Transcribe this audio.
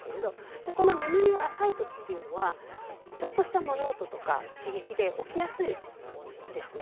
でこの眠りが浅いときっていうのはちょっとした物音とか刺激で起きやすいんですね。